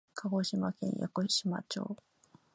鹿児島県屋久島町